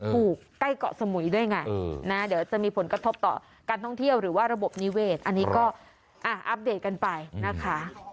ใกล้เกาะสมุยด้วยไงนะเดี๋ยวจะมีผลกระทบต่อการท่องเที่ยวหรือว่าระบบนิเวศอันนี้ก็อัปเดตกันไปนะคะ